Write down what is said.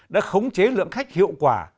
đã khống chế lượng khách hiệu quả